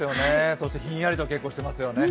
そしてひんやりとしてますよね。